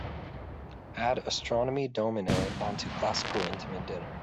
Add astronomy domine onto Classical Intimate Dinner.